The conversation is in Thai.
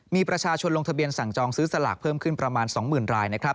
มีประชาชนลงทะเบียนสั่งจองซื้อสลากเพิ่มขึ้นประมาณ๒๐๐๐รายนะครับ